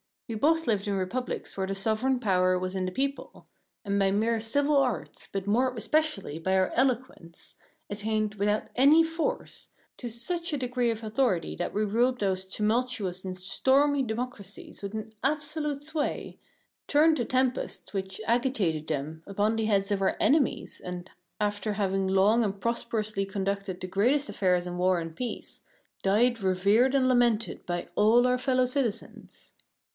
We both lived in republics where the sovereign power was in the people; and by mere civil arts, but more especially by our eloquence, attained, without any force, to such a degree of authority that we ruled those tumultuous and stormy democracies with an absolute sway, turned the tempests which agitated them upon the heads of our enemies, and after having long and prosperously conducted the greatest affairs in war and peace, died revered and lamented by all our fellow citizens.